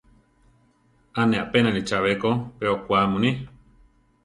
A ne apénali chabé ko pe okwá muní.